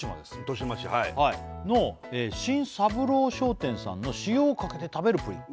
糸島市はいの新三郎商店さんのしおをかけてたべるプリン